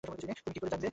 তুমি কী করে জানবে?